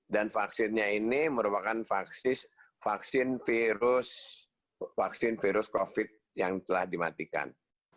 dan vaksinnya ini merupakan vaksin virus covid yang telah dimatikan